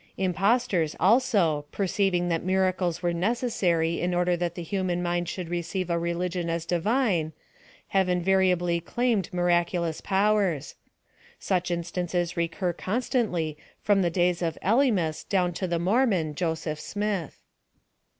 Imposters also, perceiving that miracles were necessary in order that the human mind should receive a religion as divine, have in variably claimed miraculous powers. Such in stances recur constantly from the days of Elymas down to the Mormon, Joseph Smith.